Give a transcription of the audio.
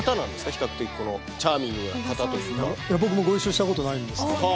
比較的、チャーミングな方という僕もご一緒したことないんですけど。